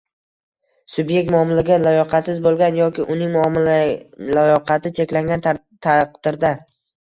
subyekt muomalaga layoqatsiz bo‘lgan yoki uning muomala layoqati cheklangan taqdirda